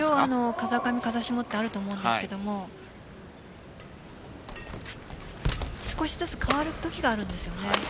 風上、風下というのはあると思うんですけど少しずつ変わるときがあるんですよね。